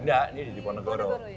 enggak ini di ponegoro